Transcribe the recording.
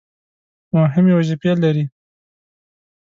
مهمې وظیفې لري.